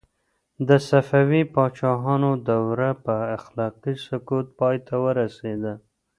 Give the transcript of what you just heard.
د صفوي پاچاهانو دوره په اخلاقي سقوط پای ته ورسېده.